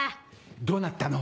どうなったの？